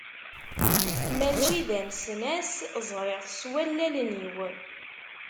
Mačči d anesnas, ẓriɣ-t s wallalen-iw.